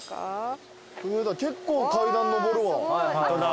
結構階段上るわ。